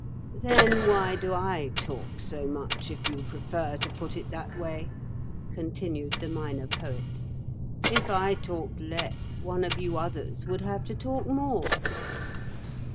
"Then why do I talk so much, if you prefer to put it that way?" continued the Minor Poet. "If I talked less, one of you others would have to talk more."